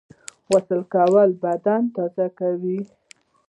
غسل کول بدن تازه کوي